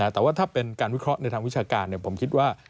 แต่ว่าถ้าเป็นการวิเคราะห์ในทางวิชาการผมคิดว่า